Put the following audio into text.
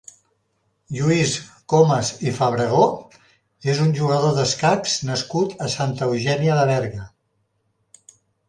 Lluís Comas i Fabregó és un jugador d'escacs nascut a Santa Eugènia de Berga.